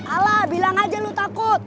ala bilang aja lu takut